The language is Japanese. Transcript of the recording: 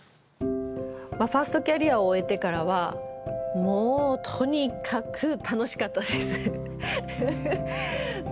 ファーストキャリアを終えてからはもうとにかく楽しかったです。